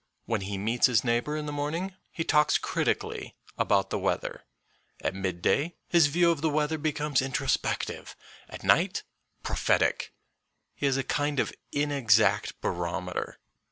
When he meets his neighbour in the morning, he talks critically about the weather. At mid day his view of the weather becomes introspective, at night prophetic. He is a kind of inexact barometer.